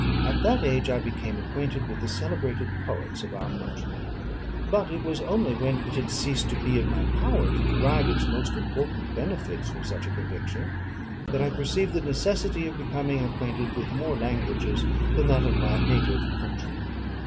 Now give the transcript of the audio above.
At that age I became acquainted with the celebrated poets of our own country; but it was only when it had ceased to be in my power to derive its most important benefits from such a conviction, that I perceived the necessity of becoming acquainted with more languages than that of my native country.